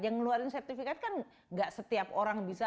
yang ngeluarkan sertifikat kan nggak setiap orang bisa